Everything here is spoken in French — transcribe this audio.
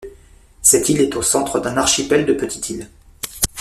Cette île est au centre d'un archipel de petites îles.